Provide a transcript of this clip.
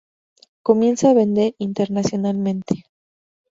Comienza a vender internacionalmente.